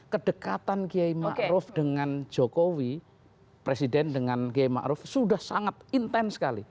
kedekatan kiai ma'ruf dengan jokowi presiden dengan kiai ma'ruf sudah sangat intens sekali